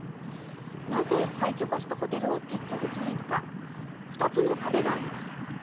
なぜ、廃虚化したホテルを撤去できないのか２つの壁があります。